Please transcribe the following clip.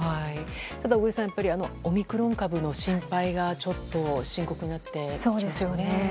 ただ、小栗さんオミクロン株の心配がちょっと深刻になってきていますよね。